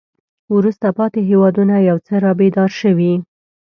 وروسته پاتې هېوادونه یو څه را بیدار شوي.